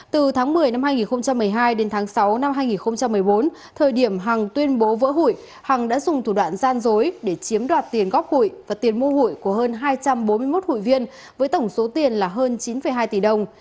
từ tháng một mươi năm hai nghìn một mươi hai đến tháng sáu năm hai nghìn một mươi bốn thời điểm hằng tuyên bố vỡ hủy hằng đã dùng thủ đoạn gian dối để chiếm đoạt tiền góp hụi và tiền mua hụi của hơn hai trăm bốn mươi một hụi viên với tổng số tiền là hơn chín hai tỷ đồng